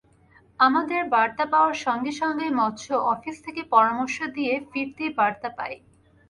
আমাদের বার্তা পাওয়ার সঙ্গে সঙ্গেই মৎস্য অফিস থেকে পরামর্শ দিয়ে ফিরতি বার্তা পাই।